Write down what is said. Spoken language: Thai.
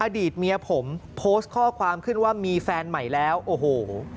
อดีตเมียผมโพสต์ข้อความขึ้นว่ามีแฟนใหม่แล้วโอ้โห